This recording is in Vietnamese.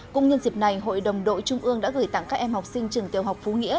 cũng nhân dịp này hội đồng đội trung ương đã gửi tặng các em học sinh trường tiểu học phú nghĩa